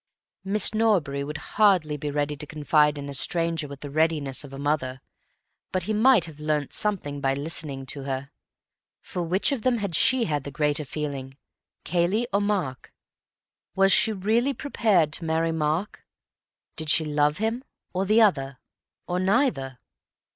Miss Norbury would hardly be ready to confide in a stranger with the readiness of a mother, but he might have learnt something by listening to her. For which of them had she the greater feeling—Cayley or Mark? Was she really prepared to marry Mark? Did she love him—or the other—or neither?